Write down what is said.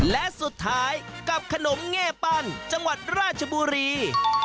และสุดท้ายกับขนมเง่ปั้นจังหวัดราชบุรี